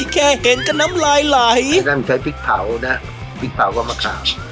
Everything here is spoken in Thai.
แค่เห็นกันน้ำไรใช้พริกเผานะพริกเผากับมะคาว